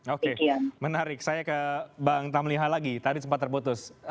oke menarik saya ke bang tamliha lagi tadi sempat terputus